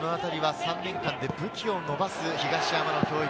３年間で武器を伸ばす東山の教育。